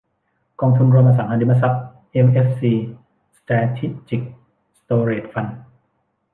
กองทุนรวมอสังหาริมทรัพย์เอ็มเอฟซี-สแตรทิจิกสโตเรจฟันด์